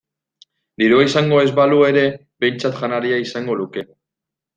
Dirua izango ez balu ere behintzat janaria izango luke.